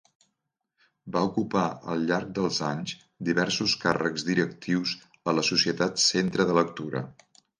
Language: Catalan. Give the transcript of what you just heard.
Va ocupar al llarg dels anys diversos càrrecs directius a la societat Centre de Lectura.